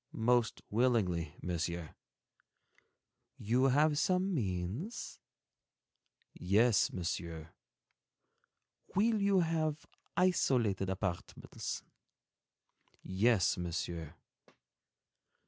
"Most willingly, Monsieur." "You have some means?" "Yes, Monsieur." "Will you have isolated apartments?" "Yes, Monsieur."